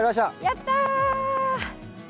やった！